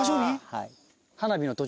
はい。